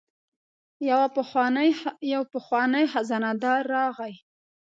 یو پخوانی خزانه دار راغی.